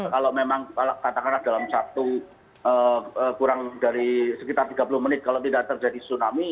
kalau memang katakanlah dalam satu kurang dari sekitar tiga puluh menit kalau tidak terjadi tsunami